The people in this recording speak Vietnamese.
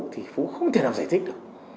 thì phú không thể nào giải thích được